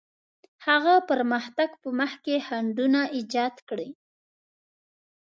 هغه پرمختګ په مخ کې خنډونه ایجاد کړي.